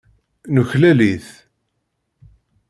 Nuklal-it.